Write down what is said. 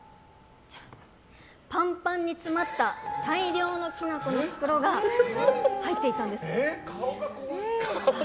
パンパンに詰まった大量のきな粉の袋が入っていたんです。